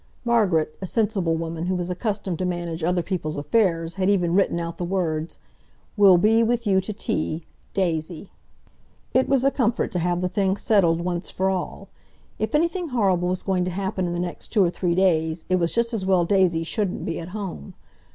Margaret, a sensible woman, who was accustomed to manage other people's affairs, had even written out the words: "Will be with you to tea.—DAISY." It was a comfort to have the thing settled once for all. If anything horrible was going to happen in the next two or three days—it was just as well Daisy shouldn't be at home.